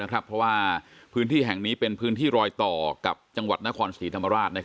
เพราะว่าพื้นที่แห่งนี้เป็นพื้นที่รอยต่อกับจังหวัดนครศรีธรรมราช